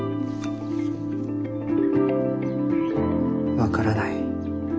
分からない。